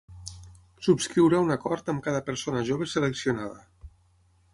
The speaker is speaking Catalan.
Subscriurà un acord amb cada persona jove seleccionada.